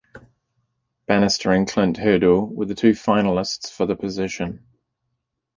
Banister and Clint Hurdle were the two finalists for the position.